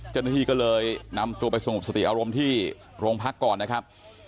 เจ้าหน้าที่ก็เลยนำตัวไปสงบสติอารมณ์ที่โรงพักก่อนนะครับ